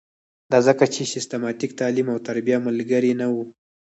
دا ځکه چې سیستماتیک تعلیم او تربیه ملګرې نه وه.